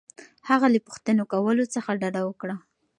هغه له پوښتنې کولو څخه ډډه کوي.